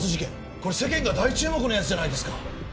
これ世間が大注目のやつじゃないですか！